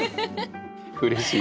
うれしい。